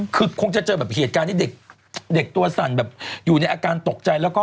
คือคงจะเจอแบบเหตุการณ์ที่เด็กตัวสั่นแบบอยู่ในอาการตกใจแล้วก็